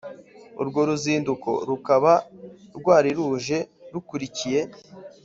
urwo ruzinduko rukaba rwari ruje rukurikiye